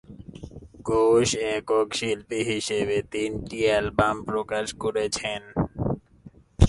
কুস একক শিল্পী হিসেবে তিনটি অ্যালবাম প্রকাশ করেছেন।